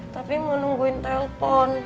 tapi mau nungguin telfon